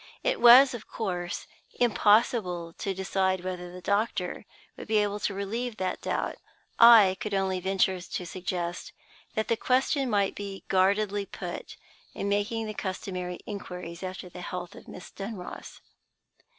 It was, of course, impossible to decide whether the doctor would be able to relieve that doubt. I could only venture to suggest that the question might be guardedly put, in making the customary inquiries after the health of Miss Dunross.